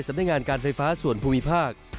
สำนักงานการไฟฟ้าส่วนภูมิภาค